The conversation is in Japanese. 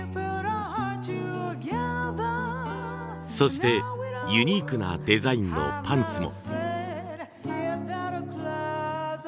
そしてユニークなデザインのパンツも。